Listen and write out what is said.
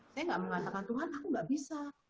saya nggak mengatakan tuhan aku nggak bisa